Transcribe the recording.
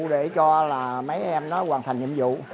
để cho mấy em hoàn thành nhiệm vụ